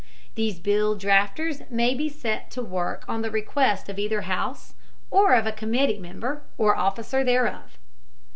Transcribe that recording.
These bill drafters may be set to work on the request of either house, or of a committee, member, or officer thereof.